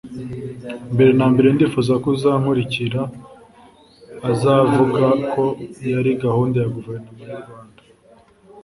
Mbere na mbere ndifuza ko uzankurikira azavuga ko yari gahunda ya Guverinoma y’u Rwanda